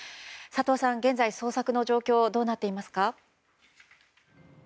佐藤さん、現在捜索の状況どうなっていますか？